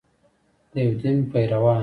د یو دین پیروان.